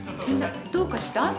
みんなどうかした？